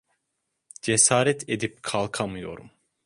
Cesaret edip kalkamıyorum!